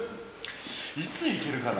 いつ行けるかな？